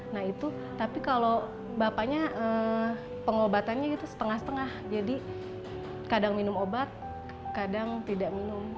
nah itu tapi kalau bapaknya pengobatannya gitu setengah setengah jadi kadang minum obat kadang tidak minum